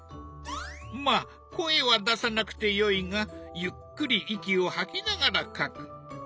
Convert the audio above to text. まあ声は出さなくてよいがゆっくり息を吐きながら描く。